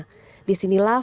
setelah itu setelah berjualan